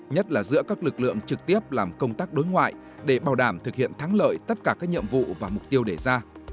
nhất là giữa các lực lượng trực tiếp làm công tác đối ngoại để bảo đảm thực hiện thắng lợi tất cả các nhiệm vụ và mục tiêu đề ra